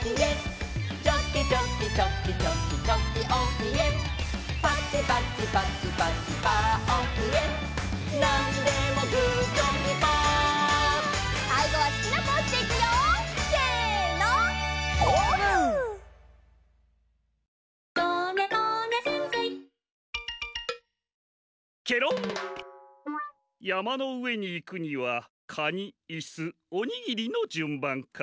けろんやまのうえにいくにはカニイスおにぎりのじゅんばんか。